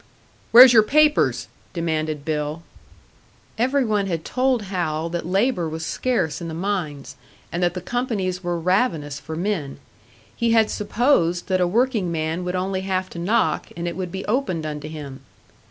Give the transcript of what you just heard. "Where's your papers?" demanded Bill. Every one had told Hal that labour was scarce in the mines, and that the companies were ravenous for men; he had supposed that a workingman would only have to knock, and it would be opened unto him.